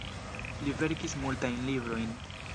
Li verkis multajn librojn.